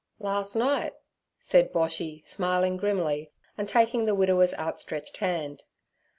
'Las' night' said Boshy, smiling grimly and taking the widower's outstretched hand.